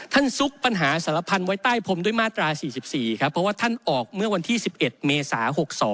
ซุกปัญหาสารพันธ์ไว้ใต้พรมด้วยมาตรา๔๔ครับเพราะว่าท่านออกเมื่อวันที่๑๑เมษา๖๒